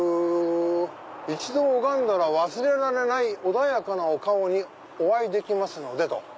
「一度拝んだら忘れられない穏やかなお顔にお会い出来ます」。